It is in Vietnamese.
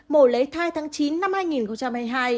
mổ lấy thai tháng chín năm hai nghìn hai mươi hai